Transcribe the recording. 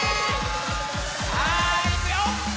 さあいくよ！